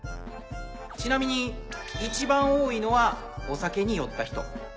ちなみに一番多いのはお酒に酔った人。